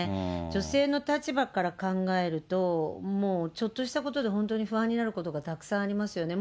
女性の立場から考えると、もうちょっとしたことで、本当に不安になることがたくさんありますよね。